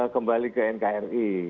kembali ke nkri